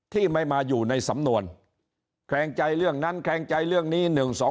ที่ไม่มาอยู่ในสำนวนแคลงใจเรื่องนั้นแคลงใจเรื่องนี้๑๒